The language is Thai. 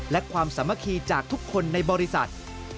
และความสามัคคีจากทุกคนในบริษัท